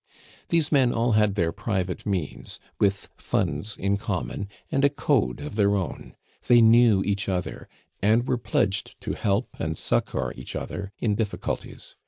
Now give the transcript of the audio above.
These men all had their private means, with funds in common, and a code of their own. They knew each other, and were pledged to help and succor each other in difficulties.